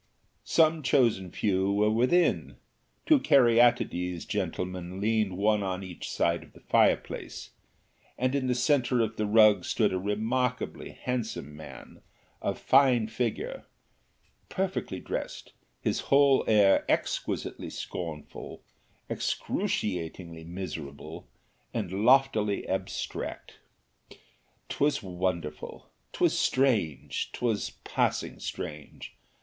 Some chosen few were within; two caryatides gentlemen leaned one on each side of the fireplace, and in the centre of the rug stood a remarkably handsome man, of fine figure, perfectly dressed, his whole air exquisitely scornful, excruciatingly miserable, and loftily abstract. 'Twas wonderful, 'twas strange, 'twas passing strange!